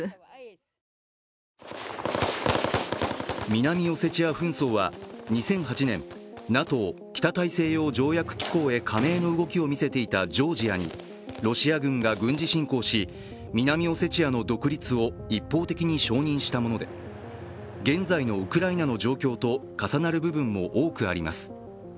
南オセチア紛争は２００８年、ＮＡＴＯ＝北大西洋条約機構へ加盟の動きを見せていたジョージアにロシア軍が軍事侵攻し南オセチアの独立を一方的に承認したもので現在のウクライナの状況と重なる部分も多くあります。